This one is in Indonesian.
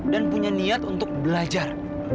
dan punya niat untuk belajar